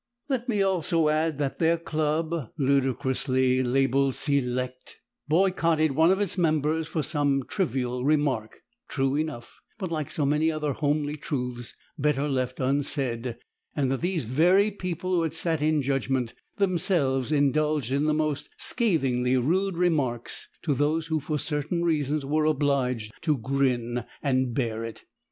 Let me also add that their club, ludicrously labelled "select," boycotted one of its members for some trivial remark, true enough, but like so many other homely truths better left unsaid, and that these very people who had sat in judgment, themselves indulged in the most scathingly rude remarks to those who for certain reasons were obliged to "grin and bear it."